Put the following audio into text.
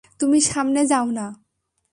তুমি সামনে যাও না?